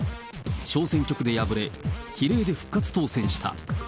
小選挙区で敗れ、比例で復活当選した。